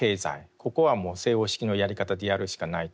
ここはもう西欧式のやり方でやるしかないと。